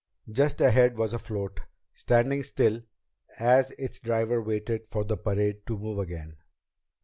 Just ahead was a float, standing still as its driver waited for the parade to move again.